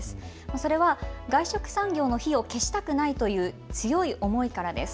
それは外食産業の火を消したくないという強い思いからです。